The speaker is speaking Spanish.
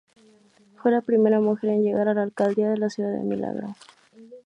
Fue la primera mujer en llegar a la alcaldía de la ciudad de Milagro.